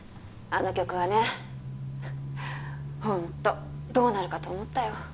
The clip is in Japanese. あの曲はねホントどうなるかと思ったよ